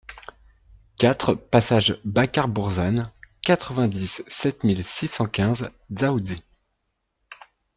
quatre passage Bacar Bourzane, quatre-vingt-dix-sept mille six cent quinze Dzaoudzi